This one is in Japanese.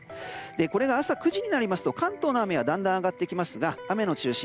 これが朝９時になりますと関東の雨はだんだん上がってきますが雨の中心